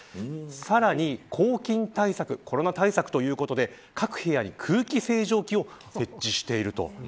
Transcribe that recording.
さらに抗菌対策コロナ対策ということで各部屋に空気清浄機を設置していると。